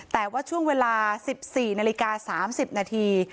แต่ว่าช่วงเวลา๑๔นาฬิกา๓๐นาที